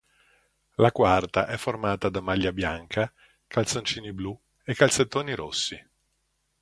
La quarta è formata da maglia bianca, calzoncini blu e calzettoni rossi.